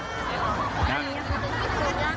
มีอย่างครับ